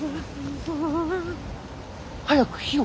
早く火を！